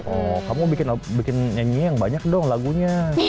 oh kamu bikin nyanyi yang banyak dong lagunya